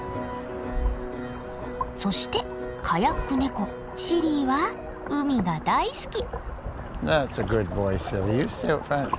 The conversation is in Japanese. そしてカヤックネコシリーは海が大好き。